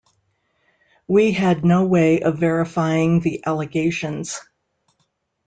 We had no way of verifying the allegations.